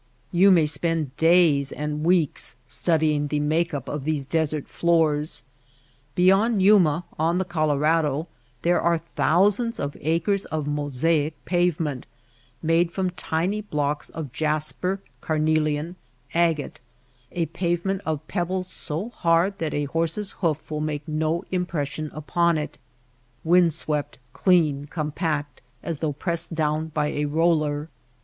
You may spend days and weeks studying the make up of these desert floors. Beyond Yuma on the Colorado there are thousands of acres of mosaic pavement, made from tiny blocks of jasper, carnelian, agate — a pavement of pebbles so hard that a horse^s hoof will make no im pression upon it — wind swept, clean, compact as though pressed down by a roller.